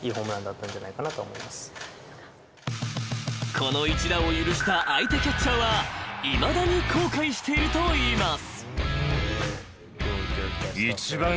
［この一打を許した相手キャッチャーはいまだに後悔しているといいます］